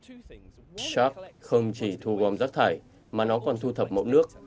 rác không chỉ thu gom rác thải mà nó còn thu thập mẫu nước